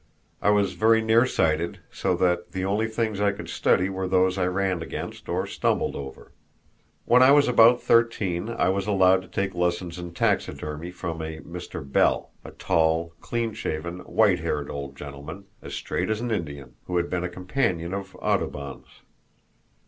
I was very near sighted, so that the only things I could study were those I ran against or stumbled over. When I was about thirteen I was allowed to take lessons in taxidermy from a Mr. Bell, a tall, clean shaven, white haired old gentleman, as straight as an Indian, who had been a companion of Audubon's.